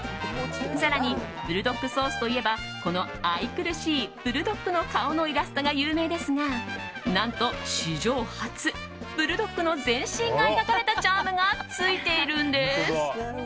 更に、ブルドックソースといえばこの愛くるしいブルドッグの顔のイラストが有名ですが何と、史上初ブルドックの全身が描かれたチャームがついているんです。